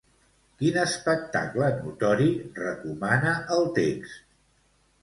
Quin espectacle notori recomana el text?